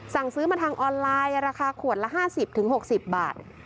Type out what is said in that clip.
สั่งซื้อมาทางออนไลน์ราคาขวดละ๕๐๖๐บาท